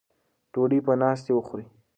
ډوډۍ په ناستې وخورئ.